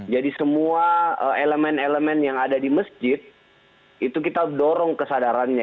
jadi semua elemen elemen yang ada di masjid itu kita dorong kesadarannya